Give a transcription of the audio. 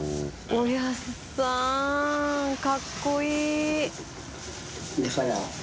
おやっさんかっこいい。